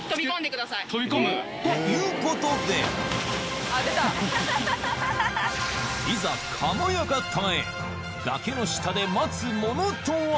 飛び込む？ということでいざ崖の下で待つものとは？